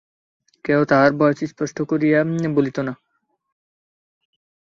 কেহ তাহার বয়স স্পষ্ট করিয়া বলিত না।